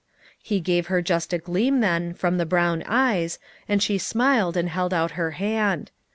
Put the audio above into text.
He gave her just a gleam then from the brown eyes, and she smiled and held out her hand.